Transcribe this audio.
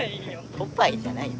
ポパイじゃないよ。